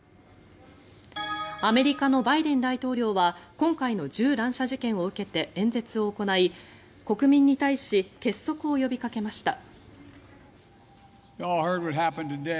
アメリカのバイデン大統領は今回の銃乱射事件を受けて演説を行い国民に対し結束を呼びかけました。